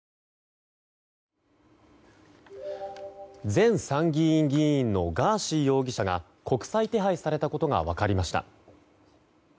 前参議院議員のガーシー容疑者が国際手配されたことが分かりました。